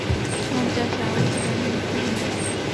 মঞ্চে আসে আবু সুফিয়ানের স্ত্রী হিন্দা।